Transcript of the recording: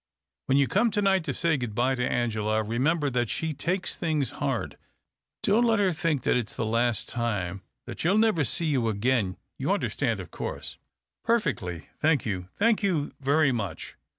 When you come to night to say good bye to Angela, remember that she takes things hard. Don't let her think that it's the last time— that she'll never see you again. You understand, of course." "Perfectly. Thank you, thank you very much."